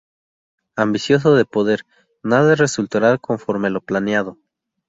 Ambicioso de poder, nada resultará conforme lo planeado.